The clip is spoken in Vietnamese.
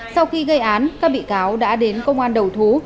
sau khi gây án các bị cáo đã đến công an đầu thú